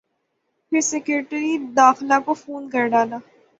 پھر سیکرٹری داخلہ کو فون کر ڈالا۔